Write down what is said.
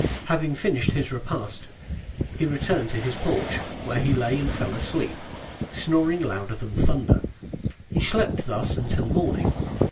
Having finished his repast, he returned to his porch, where he lay and fell asleep, snoring louder than thunder. He slept thus till morning.